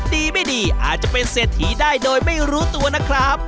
ดีไม่ดีอาจจะเป็นเศรษฐีได้โดยไม่รู้ตัวนะครับ